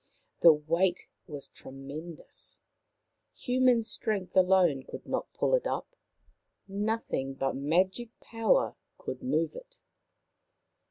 The weight was tremendous. Human strength alone could not pull it up. Nothing but magic power could move it.